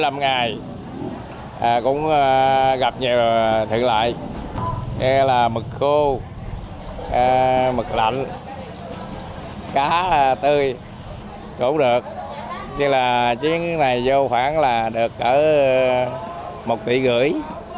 mực khô mực lạnh cá tươi cũng được chuyến này vô khoảng là được một tỷ gửi